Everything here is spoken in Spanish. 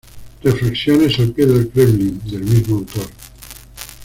Reflexiones al pie del Kremlin"", del mismo autor.